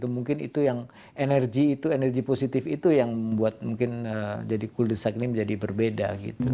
mungkin itu yang energi positif itu yang membuat kuldesak ini menjadi berbeda